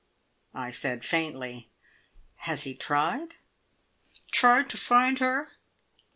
I said faintly: "Has he tried?" "Tried to find her?